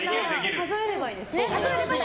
数えればいいんですね。